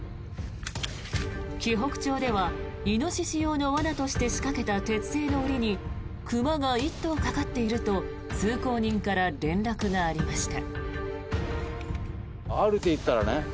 紀北町ではイノシシ用の罠として仕掛けた鉄製の檻に熊が１頭かかっていると通行人から連絡がありました。